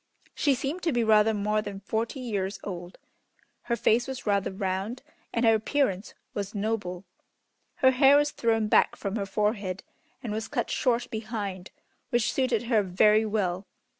She seemed to be rather more than forty years old. Her face was rather round, and her appearance was noble. Her hair was thrown back from her forehead and was cut short behind, which suited her very well.